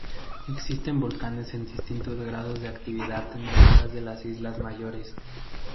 Existen volcanes en distintos grados de actividad en algunas de las islas mayores.